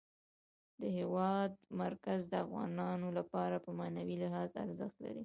د هېواد مرکز د افغانانو لپاره په معنوي لحاظ ارزښت لري.